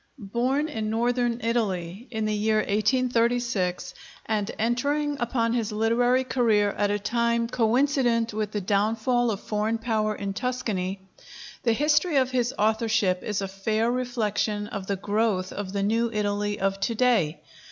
Born in northern Italy in the year 1836, and entering upon his literary career at a time coincident with the downfall of foreign power in Tuscany, the history of his authorship is a fair reflection of the growth of the new Italy of to day.